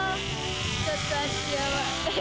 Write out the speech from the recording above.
ちょっとあっちやばい。